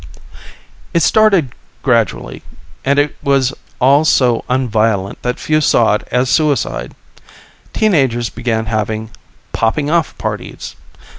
It started gradually, and it was all so un violent that few saw it as suicide. Teen agers began having "Popping off parties".